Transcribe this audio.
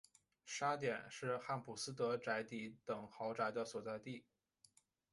沙点是汉普斯德宅邸等豪宅的所在地。